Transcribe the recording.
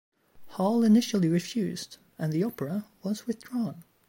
Hall initially refused, and the opera was withdrawn.